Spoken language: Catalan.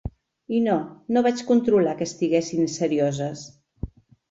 I no, no vaig controlar que estiguessin serioses.